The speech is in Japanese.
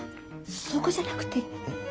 そこじゃなくて。